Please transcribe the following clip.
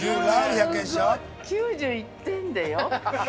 ９１点でよ！